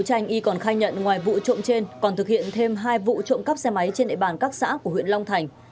tranh y còn khai nhận ngoài vụ trộm trên còn thực hiện thêm hai vụ trộm cắp xe máy trên địa bàn các xã của huyện long thành